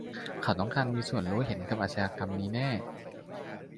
เขาต้องมีส่วนรู้เห็นกับอาชญากรรมนี้แน่